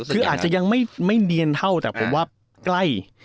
คืออาจจะยังไม่เนียนเท่าแต่ผมว่าใกล้